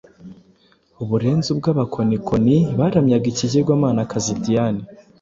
burenze ubw’abakonikoni baramyaga ikigirwamanakazi Diyane.